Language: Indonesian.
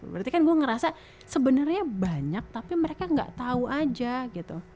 berarti kan gue ngerasa sebenarnya banyak tapi mereka gak tau aja gitu